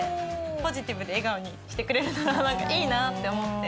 ポジティブで笑顔にしてくれるなんかいいなって思って。